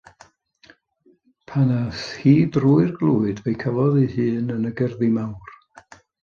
Pan aeth hi drwy glwyd fe'i cafod ei hun yn y gerddi mawr.